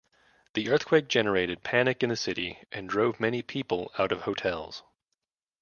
The earthquake generated panic in the city and drove many people out of hotels.